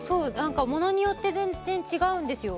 ものによって全然違うんですよ。